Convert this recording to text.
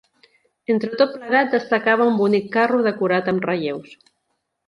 Entre tot plegat, destacava un bonic carro decorat amb relleus.